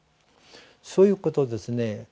そういうことをですね